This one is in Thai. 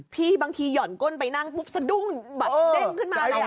บางทีหย่อนก้นไปนั่งปุ๊บสะดุ้งแบบเด้งขึ้นมาเลย